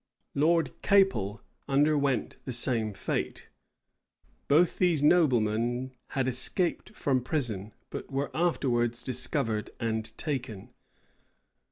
Lord Capel underwent the same fate. Both these noblemen had escaped from prison, but were afterwards discovered and taken.